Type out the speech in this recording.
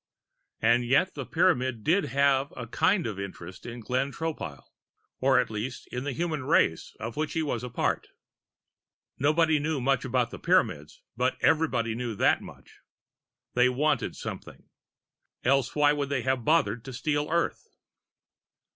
And yet the Pyramid did have a kind of interest in Glenn Tropile. Or, at least, in the human race of which he was a part. Nobody knew much about the Pyramids, but everybody knew that much. They wanted something else why would they have bothered to steal the Earth?